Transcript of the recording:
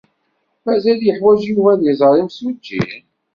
Mazal yeḥwaj Yuba ad iẓer imsujji?